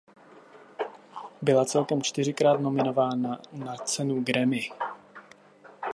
Byla celkem čtyřikrát nominována na cenu Grammy.